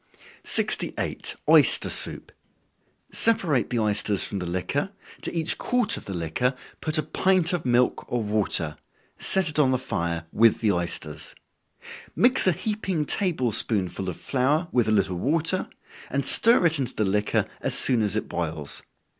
68. Oyster Soup. Separate the oysters from the liquor, to each quart of the liquor, put a pint of milk or water, set it on the fire with the oysters. Mix a heaping table spoonful of flour with a little water, and stir it into the liquor as soon as it boils.